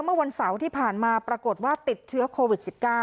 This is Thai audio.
เมื่อวันเสาร์ที่ผ่านมาปรากฏว่าติดเชื้อโควิด๑๙